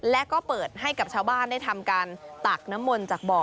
และก็เปิดให้กับชาวบ้านได้ทำการตักน้ำมนต์จากบ่อ